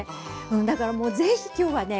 だからもう是非今日はね